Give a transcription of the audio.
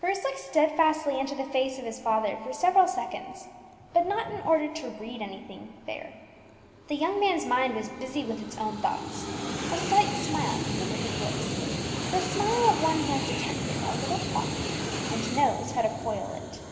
Bruce looked steadfastly into the face of his father for several seconds, but not in order to read anything there. The young man's mind was busy with its own thoughts; a slight smile came over his lips, the smile of one who has detected a little plot, and knows how to foil it.